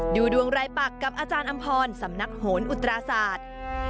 ดูดวงรายปักกับอาจารย์อำพรสำนักโหนอุตราศาสตร์